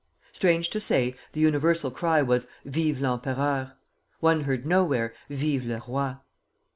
Strange to say, the universal cry was "Vive l'empereur!" One heard nowhere "Vive le roi!"